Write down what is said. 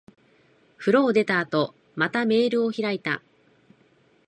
風呂を出た後、またメールを開いた。